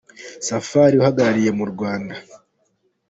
Safari uhagarariye mu Rwanda.